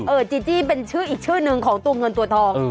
จีจี้เป็นชื่ออีกชื่อหนึ่งของตัวเงินตัวทอง